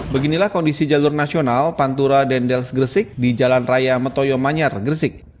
beginilah kondisi jalur nasional pantura dendels gresik di jalan raya metoyo manyar gresik